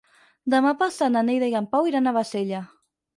Demà passat na Neida i en Pau iran a Bassella.